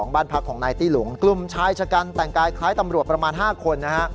บ้านพักของนายตี้หลุงกลุ่มชายชะกันแต่งกายคล้ายตำรวจประมาณ๕คนนะฮะ